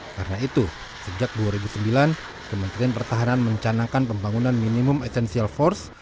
karena itu sejak dua ribu sembilan kementerian pertahanan mencanangkan pembangunan minimum essential force